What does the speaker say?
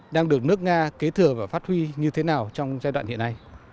đang được nước nga kế thừa và phát huy như thế nào trong giai đoạn hiện nay